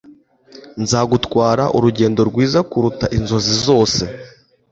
nzagutwara urugendo rwiza kuruta inzozi zose